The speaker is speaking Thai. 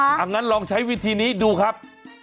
อย่างนั้นลองใช้วิธีนี้ดูครับ